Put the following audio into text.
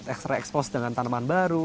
extra exposed dengan tanaman baru